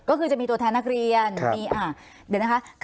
ก็คือจะมีตัวแทนนักเรียน